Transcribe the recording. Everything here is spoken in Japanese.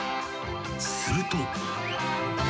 ［すると］